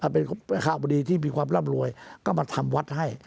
เป็นคาบดีที่มีความร่ำรวยก็มาทำวัดให้